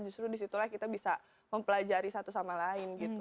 justru disitulah kita bisa mempelajari satu sama lain gitu